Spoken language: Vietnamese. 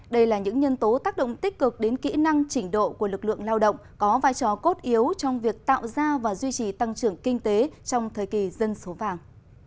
đây là những nhân tố tác động tích cực đến kỹ năng trình độ của lực lượng lao động có vai trò cốt yếu trong việc tạo ra và duy trì tăng trưởng kinh tế trong thời kỳ dân số vàng